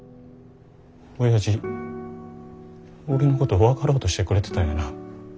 おやじ俺のこと分かろうとしてくれてたんやな。